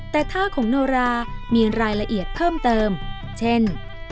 แต่ท่าของโนรามีรายละเอียดเพิ่มเติมเช่น